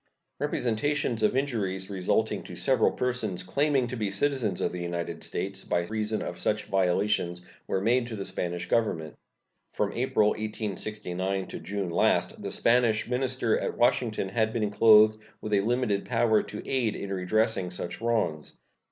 Representations of injuries resulting to several persons claiming to be citizens of the United States by reason of such violations were made to the Spanish Government. From April, 1869, to June last the Spanish minister at Washington had been clothed with a limited power to aid in redressing such wrongs.